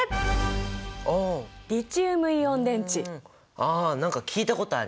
ああ何か聞いたことある！